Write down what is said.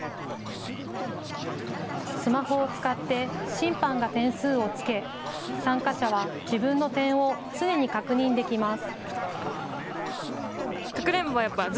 スマホを使って審判が点数をつけ参加者は自分の点を常に確認できます。